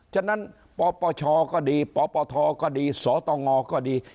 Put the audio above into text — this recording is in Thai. ฉะนั้นปปชก็ดีปปทก็ดีสตงก็ดี